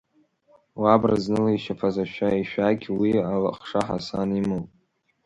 Уаб раӡныла ичаԥаз ишәақь уи алахша Ҳасан имоуп…